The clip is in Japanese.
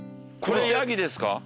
これヤギですか？